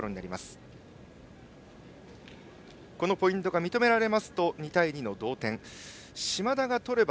このポイントが認められますと２対２の同点。